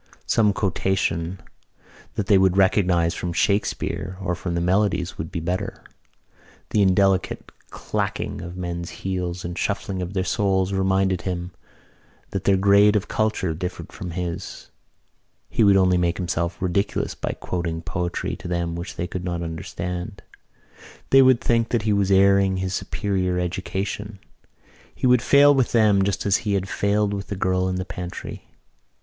Some quotation that they would recognise from Shakespeare or from the Melodies would be better. The indelicate clacking of the men's heels and the shuffling of their soles reminded him that their grade of culture differed from his. He would only make himself ridiculous by quoting poetry to them which they could not understand. They would think that he was airing his superior education. He would fail with them just as he had failed with the girl in the pantry.